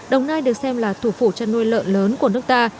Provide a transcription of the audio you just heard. đồng nai được xem là thủ phủ chăn nuôi lợn lớn của nước ta